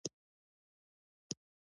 په هجران کې غم د يار راسره مل دی.